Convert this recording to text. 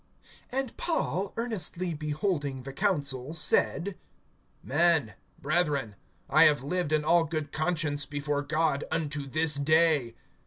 AND Paul, earnestly beholding the council, said: Men, brethren, I have lived in all good conscience before God unto this day.